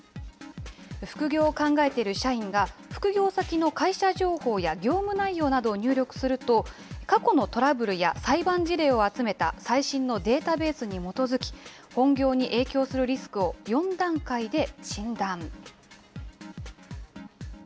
副業を考えている社員が、副業先の会社情報や業務内容などを入力すると、過去のトラブルや裁判事例を集めた最新のデータベースに基づき、本業に影響するリスクを４段階で診断。